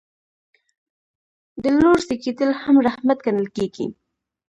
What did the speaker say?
د لور زیږیدل هم رحمت ګڼل کیږي.